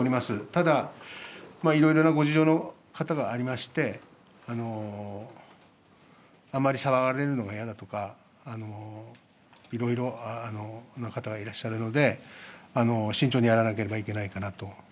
ただ、いろいろなご事情の方がありまして、あまり騒がれるのが嫌だとか、いろいろな方がいらっしゃるので、慎重にやらなければいけないかなと。